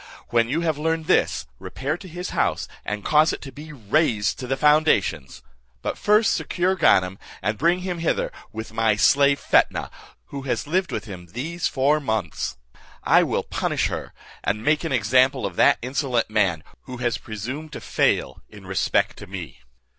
When you have learnt this, repair to his house, and cause it to be razed to the foundations; but first secure Ganem, and bring him hither, with my slave Fetnah, who has lived with him these four months. I will punish her, and make an example of that insolent man, who has presumed to fail in respell to me."